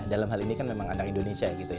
dalam hal ini kan memang anak indonesia